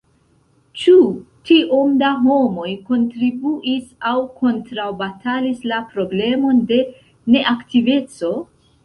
Ĉu tiom da homoj kontribuis aŭ kontraŭbatalis la problemon de neaktiveco?